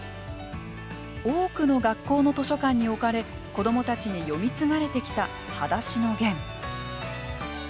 多くの学校の図書館に置かれ子どもたちに読み継がれてきた「はだしのゲン」。